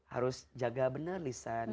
harus jaga benar lisan